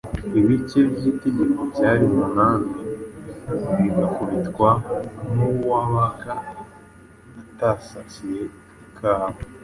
Ibike by'itegeko byari umunani bigakubitwa nk'uwabaga atasasiye ikawa